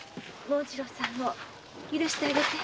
もう紋次郎さん許してあげて。